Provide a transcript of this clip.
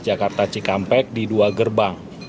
jakarta cikampek di dua gerbang